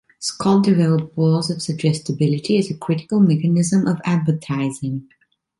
Scott developed laws of suggestibility as a critical mechanism of advertising.